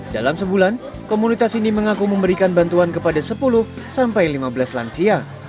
dalam sebulan komunitas ini mengaku memberikan bantuan kepada sepuluh sampai lima belas lansia